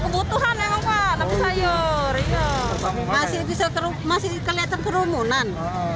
masih bisa kelihatan kerumunan